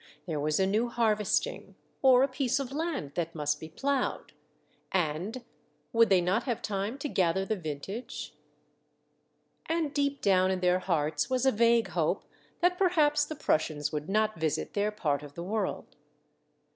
There was a new harvesting, or a piece of land that must be ploughed, — and would they not have time to gather the vintage ? And deep down in their hearts was a vague hope that per haps the Prussians would not visit their part of the world.